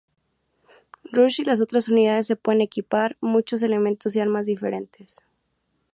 Rush y las otras unidades se pueden equipar muchos elementos y armas diferentes.